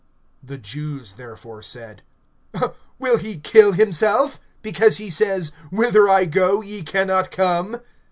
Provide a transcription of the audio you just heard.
(22)The Jews therefore said: Will he kill himself? because he says: Whither I go, ye can not come.